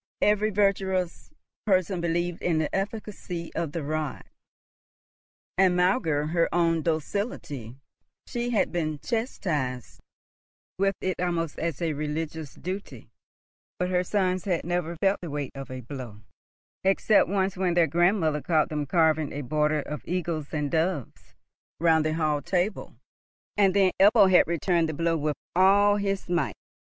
Every virtuous person believed in the efficacy of the rod, and, maugre her own docility, she had been chastised with it almost as a religious duty; but her sons had never felt the weight of a blow, except once when their grandmother caught them carving a border of eagles and doves round the hall table, and then Ebbo had returned the blow with all his might.